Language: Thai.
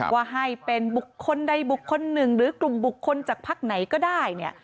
ว่าให้เป็นบุคคลใดบุคคลหนึ่งหรือกลุ่มบุคคลจากพักไหนก็ได้เนี่ย